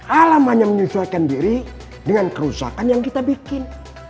alam hanya menyesuaikan diri dengan kerusakan yang kita bikin